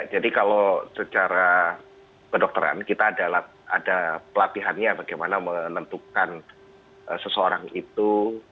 jadi kalau secara kedokteran kita ada pelatihannya bagaimana menentukan seseorang itu